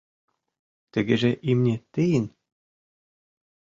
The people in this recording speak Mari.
— Тыгеже имне тыйын.